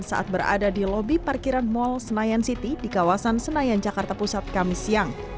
saat berada di lobi parkiran mall senayan city di kawasan senayan jakarta pusat kamis siang